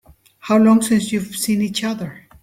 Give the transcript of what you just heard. How long since we've seen each other?